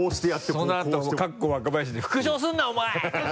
そのあとカッコ若林で「復唱するなお前！」